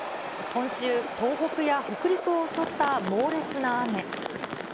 今週、東北や北陸を襲った猛烈な雨。